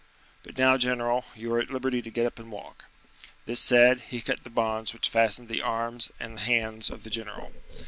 But now, general, you are at liberty to get up and walk." This said, he cut the bonds which fastened the arms and hands of the general.